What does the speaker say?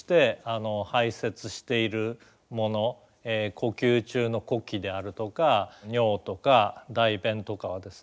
呼吸中の呼気であるとか尿とか大便とかはですね